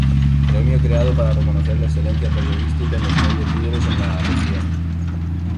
Premio creado para reconocer la excelencia periodística en los medios líderes en la región.